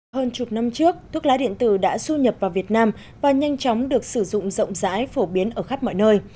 hơn chục năm trước thuốc lá điện tử đã du nhập vào việt nam và nhanh chóng được sử dụng rộng rãi phổ biến ở khắp mọi nơi